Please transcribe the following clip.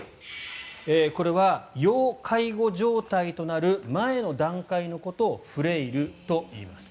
これは、要介護状態となる前の段階のことをフレイルといいます。